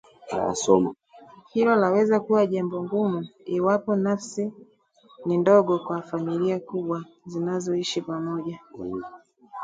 Hilo laweza kuwa jambo ngumu iwapo nafasi ni ndogo kwa familia kubwa zinazoishi pamoja.